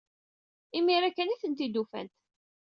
Imir-a kan ay tent-id-ufant.